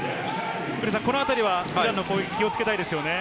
このあたりはイランの攻撃、気をつけたいですね。